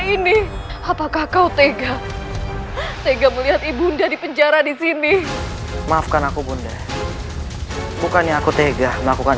ini apakah kau tega tega melihat ibunda di penjara disini maafkan aku bunda bukannya aku tega melakukan